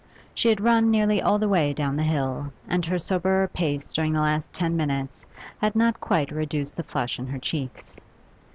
She had run nearly all the way down the hill, and her soberer pace during the last ten minutes had not quite reduced the flush in her cheeks.